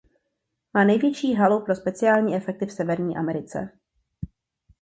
Má největší halu pro speciální efekty v Severní Americe.